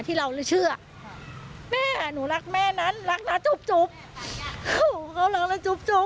ที่เราเชื่อแม่หนูรักแม่นั้นรักนะจุ๊บจุ๊บเขารักนะจุ๊บจุ๊บ